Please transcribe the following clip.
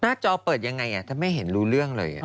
จอเปิดยังไงถ้าไม่เห็นรู้เรื่องเลย